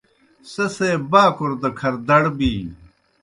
سہ سے باکُر دہ کھر دڑ بِینیْ۔